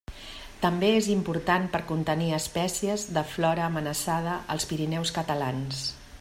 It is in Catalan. També és important per contenir espècies de flora amenaçada als Pirineus catalans.